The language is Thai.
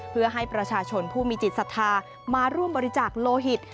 เพื่อให้ประชาชนผู้มีจิตศรัทธามาร่วมบริจาคโลหิต